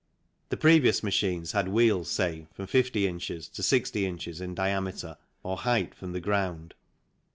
The previous machines had wheels, say, from 50 ins. to 60 ins. in diameter or height from the ground.